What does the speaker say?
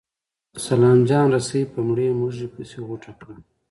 سلام جان رسۍ په مړې مږې پسې غوټه کړه.